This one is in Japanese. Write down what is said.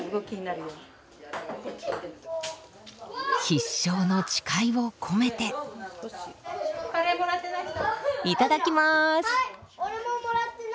必勝の誓いを込めていただきます！